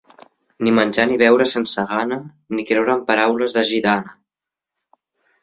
Ni menjar ni beure sense gana, ni creure en paraules de gitana.